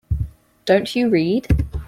Don't you read?